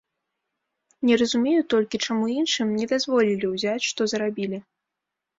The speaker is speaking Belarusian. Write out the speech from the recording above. Не разумею толькі, чаму іншым не дазволілі ўзяць, што зарабілі.